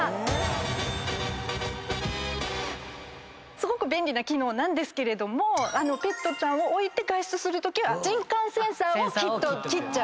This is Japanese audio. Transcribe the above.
すごく便利な機能なんですけどもペットを置いて外出するときは人感センサーを切っちゃう。